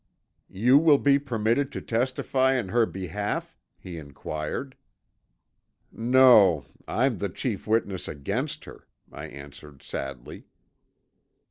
"You will be permitted to testify in her behalf?" he inquired. "No, I'm the chief witness against her," I answered sadly.